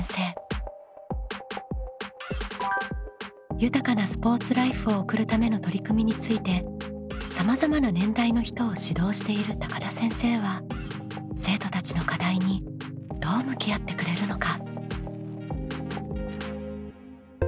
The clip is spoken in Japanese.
豊かなスポーツライフを送るための取り組みについてさまざまな年代の人を指導している高田先生は生徒たちの課題にどう向き合ってくれるのか？